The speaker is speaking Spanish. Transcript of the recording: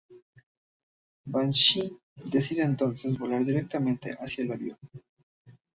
Banshee decide entonces volar directamente hacia el avión.